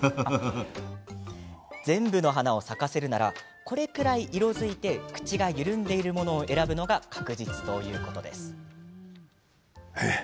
全部の花を咲かせるならこれくらい色づいて口が緩んでいるものを選ぶのが確実ということです。え？